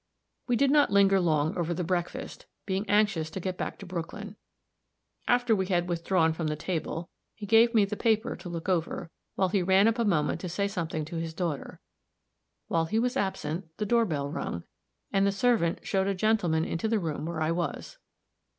We did not linger long over the breakfast, being anxious to get back to Brooklyn. After we had withdrawn from the table, he gave me the paper to look over, while he ran up a moment to say something to his daughter. While he was absent, the door bell rung, and the servant showed a gentleman into the room where I was.